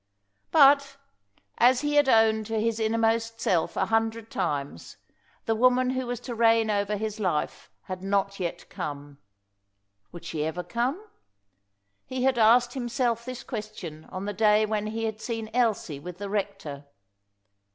But, as he had owned to his innermost self a hundred times, the woman who was to reign over his life had not yet come. Would she ever come? He had asked himself this question on the day when he had seen Elsie with the rector.